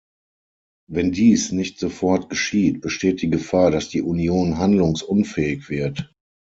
Wenn dies nicht sofort geschieht, besteht die Gefahr, dass die Union handlungsunfähig wird.